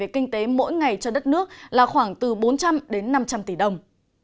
kinh tế mỗi ngày cho đất nước là khoảng từ bốn trăm linh đến năm trăm linh tỷ đồng